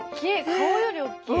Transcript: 顔より大きい。